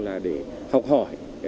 là để học hỏi